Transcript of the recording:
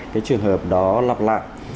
cái trường hợp đó lặp lại